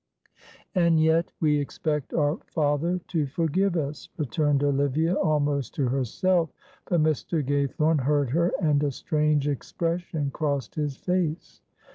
"And yet we expect our Father to forgive us," returned Olivia, almost to herself, but Mr. Gaythorne heard her, and a strange expression crossed his face.